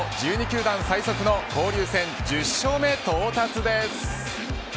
球団最速の交流戦１０勝目到達です。